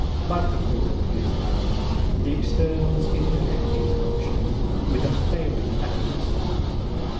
Like the Ford or Pierce the externals indicate these functional differences with unfailing accuracy.